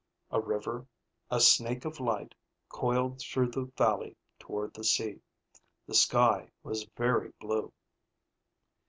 A river, a snake of light, coiled through the valley toward the sea. The sky was very blue.